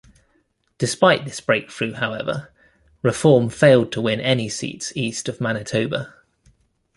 Despite this breakthrough, however, Reform failed to win any seats east of Manitoba.